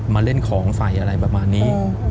มาเล่นของใส่อะไรประมาณนี้